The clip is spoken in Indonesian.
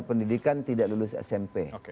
pendidikan tidak lulus smp